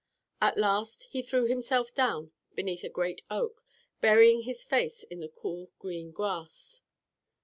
At last he threw himself down beneath a great oak, burying his face in the cool, green grass.